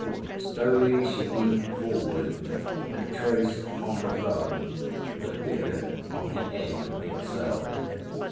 Slowly she leaned forward and traced on the rug the figure of the Egg itself.